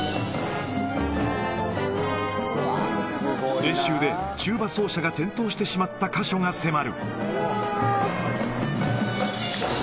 練習でチューバ奏者が転倒してしまった箇所が迫る。